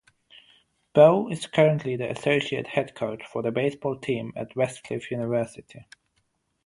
Bo is currently the associate head coach for the baseball team at Westcliff University.